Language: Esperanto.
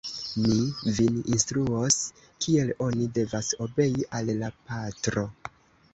Mi vin instruos, kiel oni devas obei al la patro!